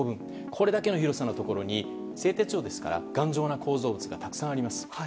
これだけの広さのところに製鉄所ですから頑丈な構造物がたくさんあります。